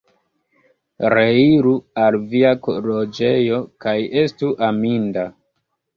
Reiru al via loĝejo, kaj estu aminda!